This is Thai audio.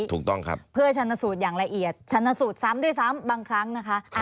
ถูกต้องครับเพื่อชันสูตรอย่างละเอียดชันสูตรซ้ำด้วยซ้ำบางครั้งนะคะ